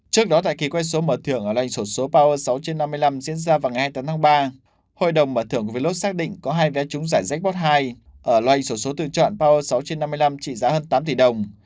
trước đó tại khi quay số mở thưởng ở loành số số power sáu trên năm mươi năm diễn ra vào ngày hai mươi tám tháng ba hội đồng mở thưởng của vé lốt xác định có hai vé trúng giải jackpot hai ở loành số số tự chọn power sáu trên năm mươi năm trị giá hơn tám tỷ đồng